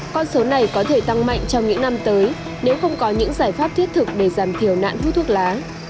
con số này có thể tăng mạnh trong những năm tới nếu không có những giải pháp thiết thực để giảm thiểu nạn hút thuốc lá